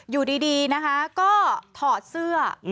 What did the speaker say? อยู่ดีนะคะก็ถอดเสื้อ